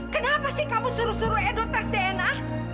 kenapa sih kamu suruh suruh edo tes dna